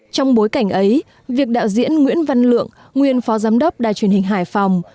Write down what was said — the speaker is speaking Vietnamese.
trong bối cảnh ấy việc đạo diễn nguyễn văn lượng nguyên phó giám đốc đài truyền hình hải phòng